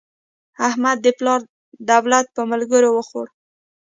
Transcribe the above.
احمد د پلار دولت په ملګرو وخوړ.